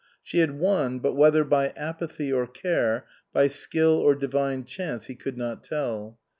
She had won, but whether by apathy or care, by skill or divine chance he could not tell.